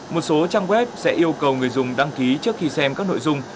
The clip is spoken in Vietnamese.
một số trang web sẽ yêu cầu người dùng đăng ký trước khi xem các nội dung